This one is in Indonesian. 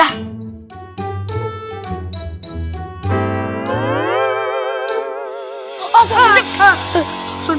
oh kaget kak